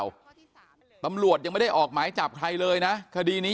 ตำรวจยังไม่ได้ออกหมายจับใครเลยนะคดีนี้